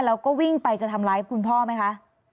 แล้วก็วิ่งไปจะทำร้ายคุณพ่อไหมคะ